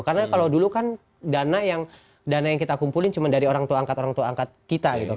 karena kalau dulu kan dana yang kita kumpulin cuma dari orang tua angkat orang tua angkat kita gitu kan